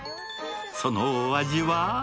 そのお味は？